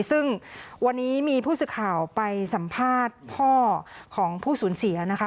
ซึ่งวันนี้มีผู้สื่อข่าวไปสัมภาษณ์พ่อของผู้สูญเสียนะคะ